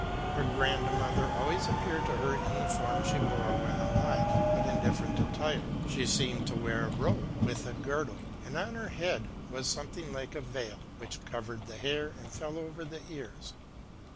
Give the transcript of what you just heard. Her grandmother always appeared to her in the form she bore when alive, but in different attire : she seemed to wear a robe, with a girdle ; and on her head was something like a veil, which covered the hair and fell over the ears.